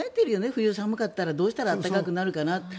冬、寒かったらどうやったら暖かくなるかなって。